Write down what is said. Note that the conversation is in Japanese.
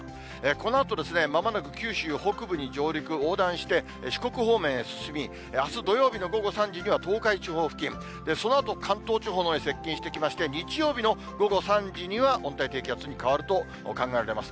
このあとまもなく九州北部に上陸、横断して、四国方面へ進み、あす土曜日の午後３時には東海地方付近、そのあと関東地方のほうへ接近してきまして、日曜日の午後３時には温帯低気圧に変わると考えられます。